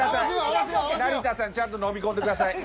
成田さんちゃんと飲み込んでください。